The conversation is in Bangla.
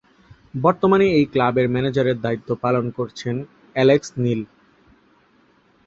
বর্তমানে এই ক্লাবের ম্যানেজারের দায়িত্ব পালন করছেন অ্যালেক্স নিল।